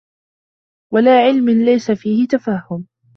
وَلَا عِلْمٍ لَيْسَ فِيهِ تَفَهُّمٌ